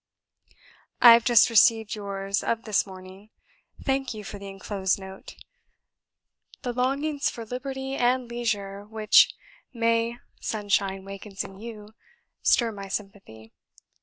"I have just received yours of this morning; thank you for the enclosed note. The longings for liberty and leisure which May sunshine wakens in you, stir my sympathy.